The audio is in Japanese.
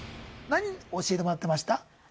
何教えてもらってました？